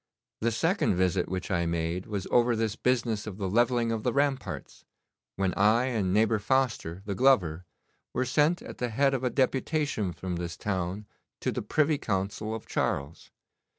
The second visit which I made was over this business of the levelling of the ramparts, when I and neighbour Foster, the glover, were sent at the head of a deputation from this town to the Privy Council of Charles.